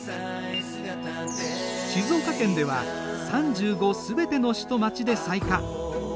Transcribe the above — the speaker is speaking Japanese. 静岡県では３５すべての市と町で採火。